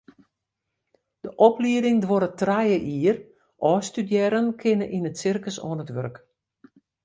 De oplieding duorret trije jier, ôfstudearren kinne yn it sirkus oan it wurk.